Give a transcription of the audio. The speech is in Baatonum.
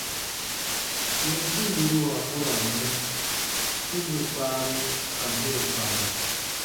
Yɛnusu yiruwa u ra n mɔ : tundo kpaaru ka mɛro kpaaru.